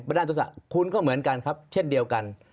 ด้านโทษะคุณก็เหมือนกันครับเช่นเดียวกัน